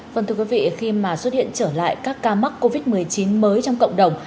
vâng thưa quý vị khi mà xuất hiện trở lại các ca mắc covid một mươi chín mới trong cộng đồng